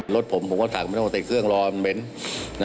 รถผมผมก็ถามว่าติดเครื่องรอมันเหม็น